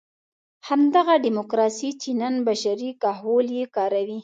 همدغه ډیموکراسي چې نن بشري کهول یې کاروي.